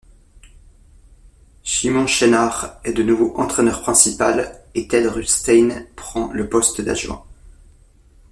Shimon Shenhar est de nouveau entraîneur principal et Ted Rutstein prend le poste d'adjoint.